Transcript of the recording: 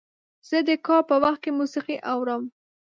زه د کار په وخت کې موسیقي اورم.